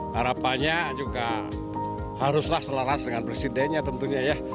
harapannya juga haruslah selaras dengan presidennya tentunya ya